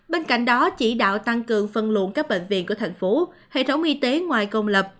bên cạnh đó chỉ đạo tăng cường phân luận các bệnh viện của thành phố hệ thống y tế ngoài công lập